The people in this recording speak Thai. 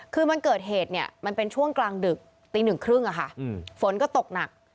คือมันเกิดเหตุมันเป็นช่วงกลางดึกตี๑๓๐ฝนก็ตกหนัก